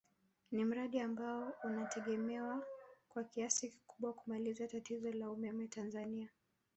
Ni mradi ambao unategemewa kwa kiasi kikubwa kumaliza tatizo la umeme Tanzania